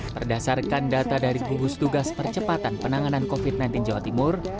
berdasarkan data dari gugus tugas percepatan penanganan covid sembilan belas jawa timur